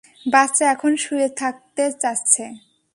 বাচ্চা এখন শুয়ে থাকতে চাচ্ছে।